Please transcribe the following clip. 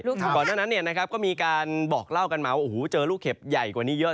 ก่อนหน้านั้นเนี่ยนะครับก็มีการบอกเล่ากันมาว่าโอ้โหเจอลูกเข็บใหญ่กว่านี้เยอะ